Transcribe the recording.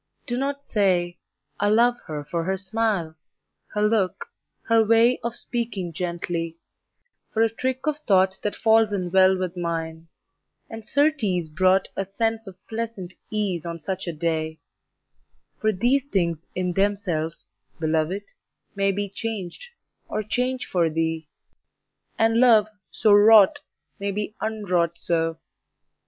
Do not say "I love her for her smile—her look—her way Of speaking gently,—for a trick of thought That falls in well with mine, and certes brought A sense of pleasant ease on such a day"— For these things in themselves, Belovëd, may Be changed, or change for thee,—and love, so wrought, May be unwrought so.